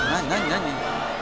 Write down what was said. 何？